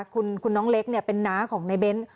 คุณน้องเล็กเป็นน้าของในเบ้น